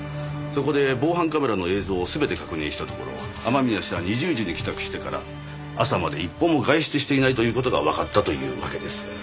そこで防犯カメラの映像を全て確認したところ雨宮氏は２０時に帰宅してから朝まで一歩も外出していないという事がわかったというわけです。